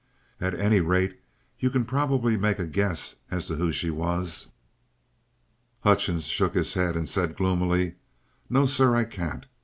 At any rate, you can probably make a guess at who she was." Hutchings shook his head and said gloomily: "No, sir, I can't.